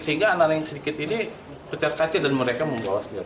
sehingga anak anak yang sedikit ini pecat kaca dan mereka membawa senjata